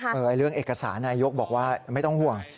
เรื่องเอกสารนายกบอกว่าไม่ต้องห่วง